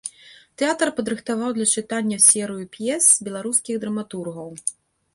Тэатр падрыхтаваў для чытання серыю п'ес беларускіх драматургаў.